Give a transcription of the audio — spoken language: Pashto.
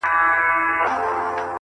کورنۍ دننه سختيږي ډېر